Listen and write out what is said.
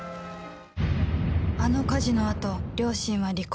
あの火事のあと、両親は離婚。